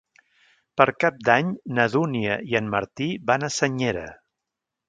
Per Cap d'Any na Dúnia i en Martí van a Senyera.